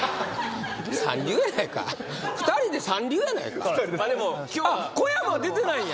三流やないか２人で三流やないかでも今日は小山出てないんや？